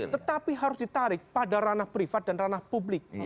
tetapi harus ditarik pada ranah privat dan ranah publik